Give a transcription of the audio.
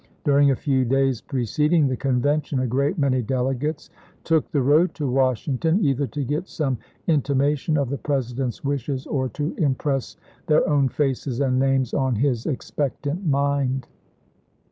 During a few days preceding the Convention a great many delegates took the road to Washington, either to get some intimation of the President's wishes or to impress their own faces and names on his expectant mind.